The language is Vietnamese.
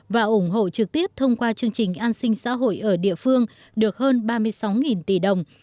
và ủng hộ trực tiếp thông qua chương trình an sinh xã hội ở địa phương được hơn ba mươi sáu tỷ đồng